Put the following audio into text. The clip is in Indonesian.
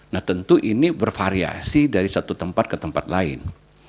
nah tentu ini bervariasi dari satu tempat ke tempat lain